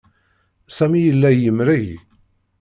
Sami yella yemreg.